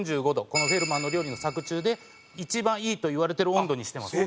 この『フェルマーの料理』の作中で一番いいといわれてる温度にしてます。